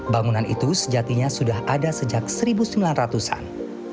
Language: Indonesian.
bangunan itu sejatinya sudah ada sejak seribu sembilan ratus an